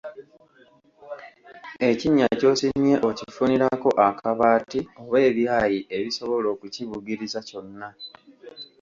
Ekinnya ky'osimye okifunirako akabaati oba ebyayi ebisobola okukibugiriza kyonna.